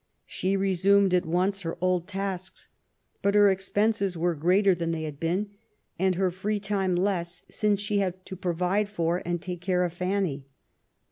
She resumed at once her old tasks. But her expenses were greater than they had been, and her free time less, since she had to provide for and take care of Fanny.